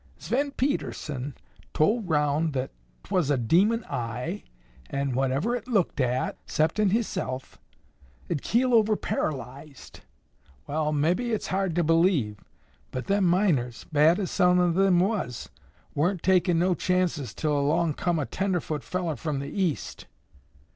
"Sven Pedersen tol' 'round that 'twas a demon eye, an' that whatever it looked at, 'ceptin' hisself, 'd keel over paralyzed. Wall, mabbe it's hard to believe, but them miners, bad as some of 'em was, warn't takin' no chances till 'long come a tenderfoot fellar from the East.